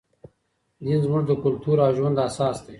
دین زموږ د کلتور او ژوند اساس دی.